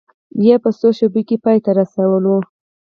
یې په څو شېبو کې پای ته رسوله.